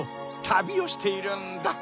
たびをしているんだ。